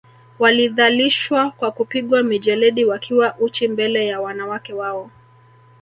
Walidhalishwa kwa kupigwa mijeledi wakiwa uchi mbele ya wanawake wao